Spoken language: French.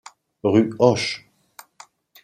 Rue Hoche.